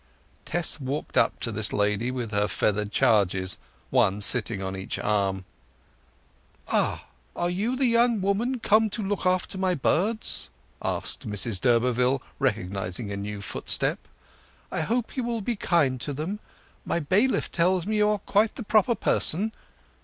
Tess walked up to this lady with her feathered charges—one sitting on each arm. "Ah, you are the young woman come to look after my birds?" said Mrs d'Urberville, recognizing a new footstep. "I hope you will be kind to them. My bailiff tells me you are quite the proper person.